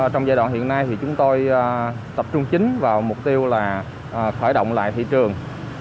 trong giai đoạn hiện nay thì chúng tôi tập trung chính vào mục tiêu là khởi động lại thị trường